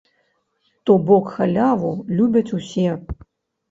То бок, халяву любяць усе.